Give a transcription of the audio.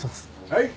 はい。